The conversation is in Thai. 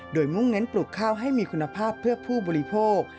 โดยมุ่งเน้นปลูกข้าวให้มีคุณภาพเพื่อผู้บริโภค